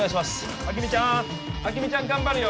あきみちゃん頑張るよ